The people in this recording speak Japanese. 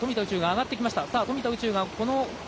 宇宙が上がってきました。